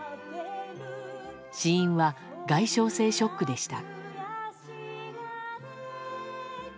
死因は、外傷性ショックでした。